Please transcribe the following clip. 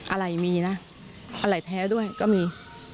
อะไรมีนะอะไรแท้ด้วยก็มี